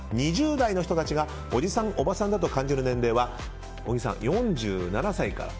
２０代の人たちがおじさん・おばさんだと感じる年齢は小木さん、４７歳から。